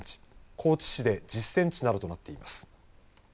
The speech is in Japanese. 高知市で１０センチなどとなっています。